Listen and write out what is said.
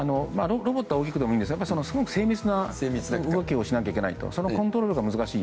ロボットは大きくてもいいんですが精密な動きをしなきゃいけないのでコントロールが難しい。